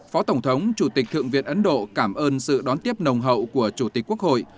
phó tổng thống chủ tịch thượng viện ấn độ cảm ơn sự đón tiếp nồng hậu của chủ tịch quốc hội